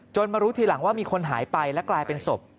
มารู้ทีหลังว่ามีคนหายไปและกลายเป็นศพ